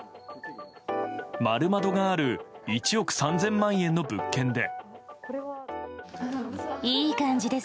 丸窓がある１億３０００万円の物件で。